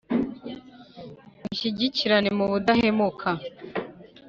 mushyigikirane mu budahemukaaa